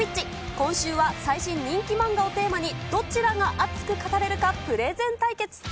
今週は最新人気マンガをテーマにどちらが熱く語れるかプレゼン対決。